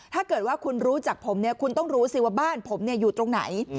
ถ้าเกิดว่าคุณรู้จักผมเนี่ยคุณต้องรู้สิว่าบ้านผมอยู่ตรงไหน